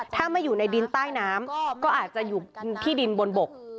ถ้าไม่อยู่ในดินใต้น้ำก็อาจจะอยู่ที่ดินบนบก